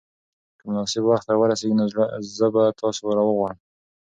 که مناسب وخت را ورسېږي نو زه به تاسو راوغواړم.